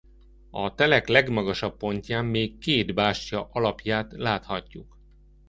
A telek legmagasabb pontján még két bástya alapját láthatjuk.